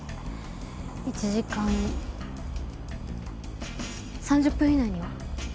１時間３０分以内には。